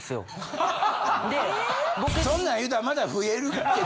そんなん言うたらまた増えるって。